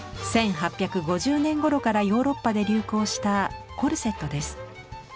１８５０年ごろからヨーロッパで流行したコルセットです。